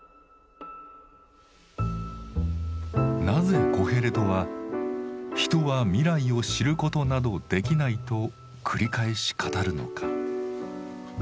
なぜコヘレトは「人は未来を知ることなどできない」と繰り返し語るのか。